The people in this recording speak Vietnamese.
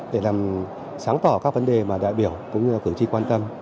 để làm sáng tỏ các vấn đề mà đại biểu cũng cử tri quan tâm